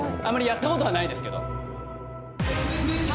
あまりやったことはないですけど。